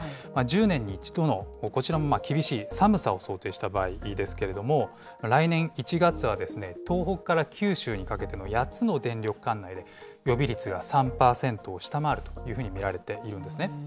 １０年に１度の、こちらも厳しい寒さを想定した場合ですけれども、来年１月は東北から九州にかけての８つの電力管内で、予備率が３％を下回るというふうに見られているんですね。